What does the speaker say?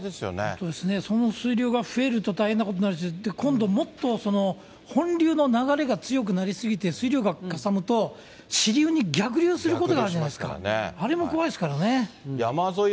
本当ですね、その水量が増えると大変なことになるし、今度、もっと本流の流れが強くなりすぎて、水量がかさむと、支流に逆流することがあるじゃないですか、山沿い